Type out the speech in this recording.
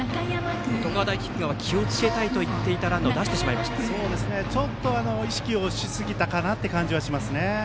常葉大菊川、気をつけたいと言っていたランナーをちょっと意識をしすぎたかなという感じはしますね。